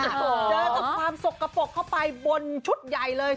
เจอกับความสกปรกเข้าไปบนชุดใหญ่เลย